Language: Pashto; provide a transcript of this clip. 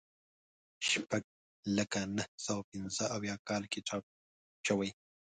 شپږ لکه نهه سوه پنځه اویا کال کې چاپ شوی.